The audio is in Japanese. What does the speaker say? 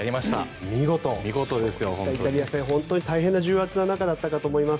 見事、イタリア戦本当に大変な重圧な中だったと思います。